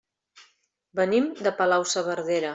Venim de Palau-saverdera.